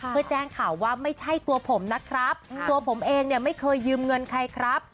เพื่อแจ้งข่าวว่าไม่ใช่ตัวผมนะครับตัวผมเองเนี่ยไม่เคยยืมเงินใครครับ